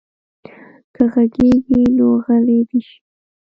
که غږېږي نو غلی دې شي.